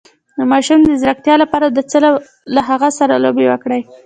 د ماشوم د ځیرکتیا لپاره له هغه سره لوبې وکړئ